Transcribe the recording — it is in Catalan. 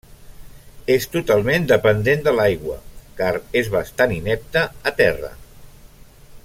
És totalment dependent de l'aigua car és bastant inepte a terra.